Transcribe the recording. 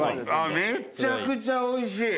めちゃくちゃ美味しい。